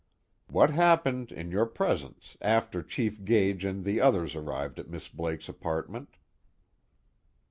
_ "What happened, in your presence, after Chief Gage and the others arrived at Miss Blake's apartment?"